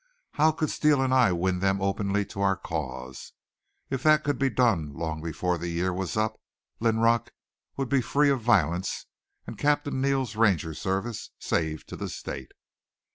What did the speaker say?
How could Steele and I win them openly to our cause? If that could be done long before the year was up Linrock would be free of violence and Captain Neal's Ranger Service saved to the State.